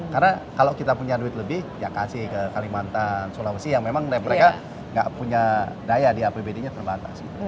karena kalau kita punya duit lebih ya kasih ke kalimantan sulawesi yang memang mereka gak punya daya di apbd nya terbatas